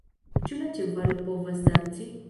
Ĉu la ĉevalo povas danci!?